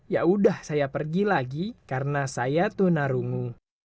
ya udah saya pergi lagi karena saya tunarungu